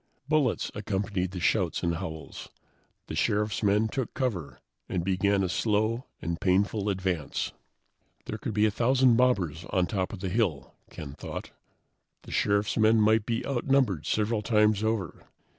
Bullets accompanied the shouts and howls. The Sheriff's men took cover and began a slow and painful advance. There could be a thousand mobbers on top of the hill, Ken thought. The Sheriff's men might be outnumbered several times over.